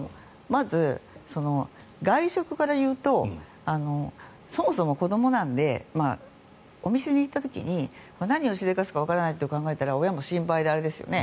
まず外食から言うとそもそも子どもなのでお店に行った時に何をしでかすかわからないと考えたら親も心配ですよね。